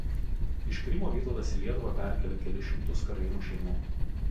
Iš Krymo Vytautas į Lietuvą perkėlė kelis šimtus karaimų šeimų.